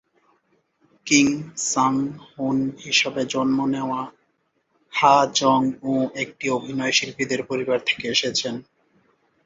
Kim Sanghun হিসাবে জন্ম নেওয়া, হা জং-উ একটি অভিনয়শিল্পীদের পরিবার থেকে এসেছেন।